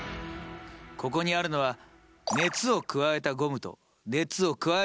ここにあるのは熱を加えたゴムと熱を加えていないゴムだ。